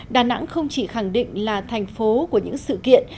đà nẵng không chỉ khẳng định là thành phố của những sự kiện